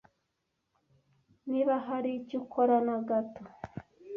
Niba hari icyo ukora na gato